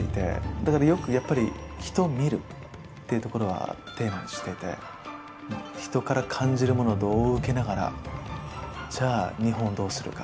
だからやっぱり、人を見るというところはテーマにしていて人から感じるものをどう受けながらじゃあ日本どうするか？